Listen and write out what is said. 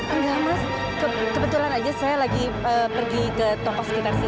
enggak mas kebetulan aja saya lagi pergi ke toko sekitar sini